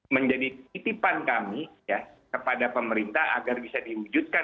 menjadi titipan kami kepada pemerintah agar bisa diwujudkan